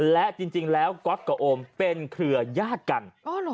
และจริงแล้วก๊อตกับโอมเป็นเครือยากกันอ้อหรอ